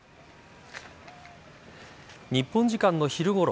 日本時間の昼ごろ